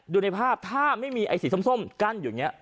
ดูในภาพถ้าไม่มีไอสีส้มกั้นอยู่เนี่ย